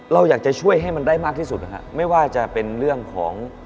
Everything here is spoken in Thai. เราอยากจะช่วยให้มันได้มากที่สุดนะฮะไม่ว่าจะเป็นเรื่องของ